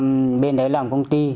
và đi chui sang bên đấy làm công ty